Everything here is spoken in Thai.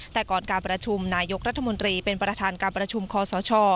แต่ก่อนการประชุมนายกรัฐมนตรีเป็นประธานการประชุมคอสช